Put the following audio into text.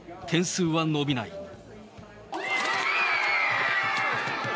点数は伸びない。